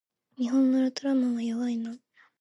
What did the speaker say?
日本のウルトラマンは弱いな